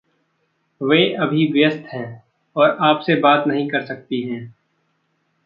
वे अभी व्यस्थ हैं और आपसे बात नहीं कर सकतीं हैं।